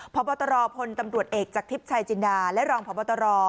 ผอบตรพลเอกจากทริปชายจินดาและรองผอบตร